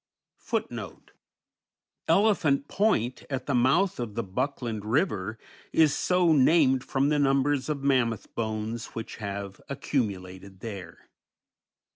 _Elephant Point, at the mouth of the Buckland River, is so named from the numbers of mammoth bones which have accumulated there.